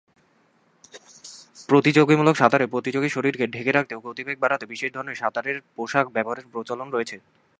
প্রতিযোগিতামূলক সাঁতারে প্রতিযোগীর শরীরকে ঢেকে রাখতে ও গতিবেগ বাড়াতে বিশেষ ধরনের সাঁতারের পোশাক ব্যবহারের প্রচলন রয়েছে।